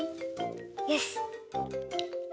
よし！